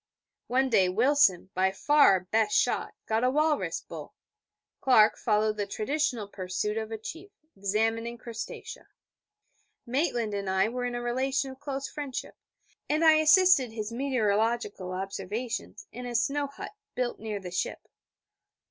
One day Wilson, by far our best shot, got a walrus bull; Clark followed the traditional pursuit of a Chief, examining Crustacea; Maitland and I were in a relation of close friendship, and I assisted his meteorological observations in a snow hut built near the ship.